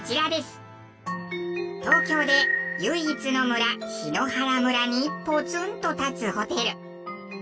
東京で唯一の村檜原村にポツンと建つホテル。